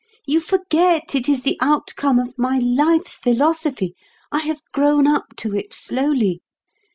You forget it is the outcome of my life's philosophy. I have grown up to it slowly.